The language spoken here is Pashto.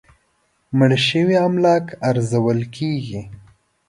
مړ شوي املاک ارزول کېږي.